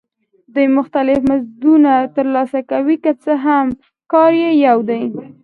دوی مختلف مزدونه ترلاسه کوي که څه هم کار یې یو دی